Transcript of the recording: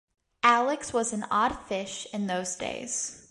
Alex was an odd fish in those days.